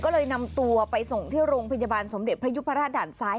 ก็เลยนำตัวไปส่งที่โรงพยาบาลสมเด็จพระยุพราชด่านซ้าย